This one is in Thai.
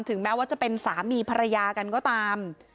แม้ว่าจะเป็นสามีภรรยากันก็ตาม